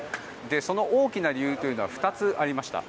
その大きな理由というのは２つありました。